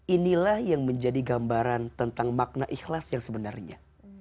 inilah yang menjadi gambaran tentang makna ikhlas yang sebenarnya